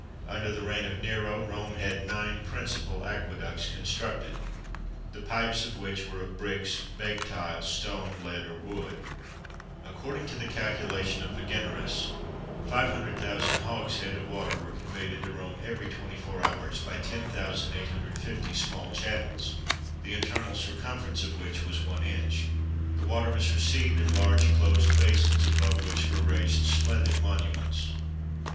Under the reign of Nero, Rome had nine principal aqueducts[XXV 16] constructed, the pipes of which were of bricks, baked tiles, stone, lead, or wood.[XXV 17] According to the calculation of Vigenerus,[XXV 18] 500,000 hogsheads of water were conveyed into Rome every twenty four hours, by 10,850 small channels, the internal circumference of which was one inch. The water was received in large closed basins, above which were raised splendid monuments.